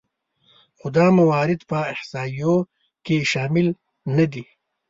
خو دا موارد په احصایو کې شامل نهدي